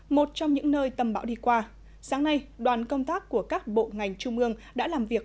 một trong những nơi tâm bão đi qua sáng nay đoàn công tác của các bộ ngành trung ương đã làm việc